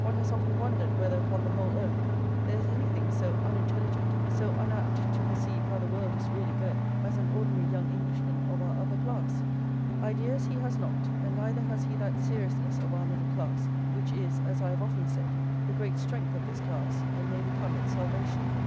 One has often wondered whether upon the whole earth there is anything so unintelligent, so unapt to perceive how the world is really going, as an ordinary young Englishman of our upper class. Ideas he has not, and neither has he that seriousness of our middle class, which is, as I have often said, the great strength of this class, and may become its salvation.